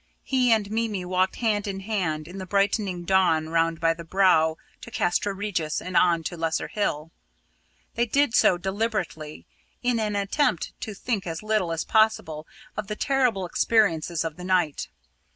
He and Mimi walked hand in hand in the brightening dawn round by the Brow to Castra Regis and on to Lesser Hill. They did so deliberately, in an attempt to think as little as possible of the terrible experiences of the night.